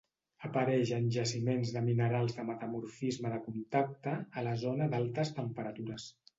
Apareix en jaciments de minerals de metamorfisme de contacte, a la zona d'altes temperatures.